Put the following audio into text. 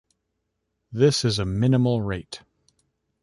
This is a minimal rate.